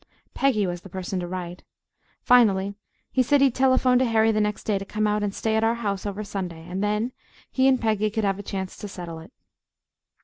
Peggy was the person to write. Finally he said he'd telephone to Harry the next day to come out and stay at our house over Sunday, and then he and Peggy could have a chance to settle it.